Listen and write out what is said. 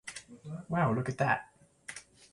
wow, look at that